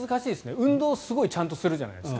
運動、すごいちゃんとするじゃないですか。